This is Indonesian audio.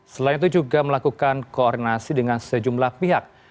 selain itu juga melakukan koordinasi dengan sejumlah pihak